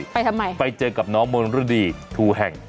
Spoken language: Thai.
ไปทำไมไปเจอกับน้องมนฤดีทูแห่ง